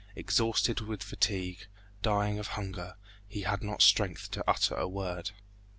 Exhausted with fatigue, dying of hunger, he had not strength to utter a word.